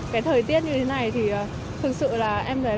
rất là vất vả